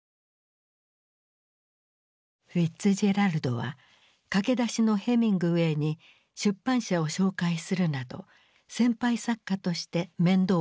フィッツジェラルドは駆け出しのヘミングウェイに出版社を紹介するなど先輩作家として面倒を見ていた。